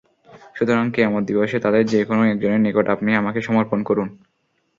সুতরাং কিয়ামত দিবসে তাদের যে কোন একজনের নিকট আপনি আমাকে সমর্পণ করুন।